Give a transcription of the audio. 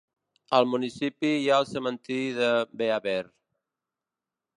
Al municipi hi ha el cementiri de Beaver.